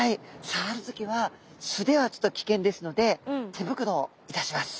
さわる時はすではちょっと危険ですのでてぶくろをいたします。